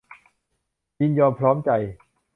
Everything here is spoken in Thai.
ยินยอมพร้อมใจ